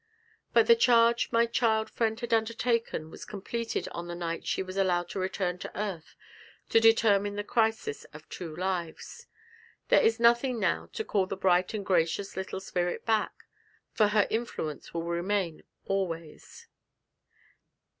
But the charge my child friend had undertaken was completed on the night she was allowed to return to earth and determine the crisis of two lives; there is nothing now to call the bright and gracious little spirit back, for her influence will remain always.